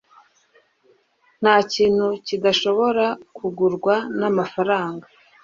ntakintu kidashobora kugurwa namafaranga